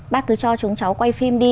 bác cứ cho chúng cháu quay phim đi